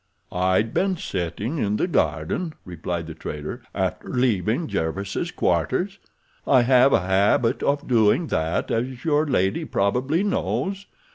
"I'd been sitting in the garden," replied the trader, "after leaving Jervis' quarters. I have a habit of doing that as your lady probably knows.